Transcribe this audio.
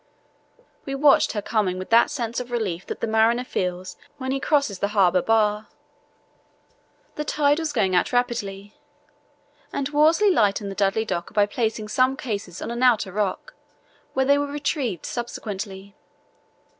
We watched her coming with that sense of relief that the mariner feels when he crosses the harbour bar. The tide was going out rapidly, and Worsley lightened the Dudley Docker by placing some cases on an outer rock, where they were retrieved subsequently.